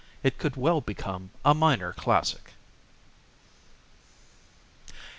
It could well become a minor classic.